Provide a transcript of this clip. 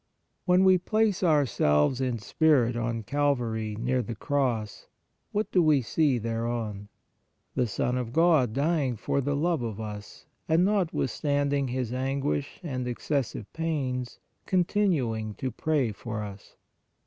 When we place ourselves in spirit on Calvary near the Cross, what do we see thereon? The Son of God dying for the love of us and, not withstanding His anguish and excessive pains, con tinuing to pray for us.